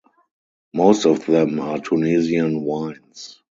Most of them are Tunisian wines.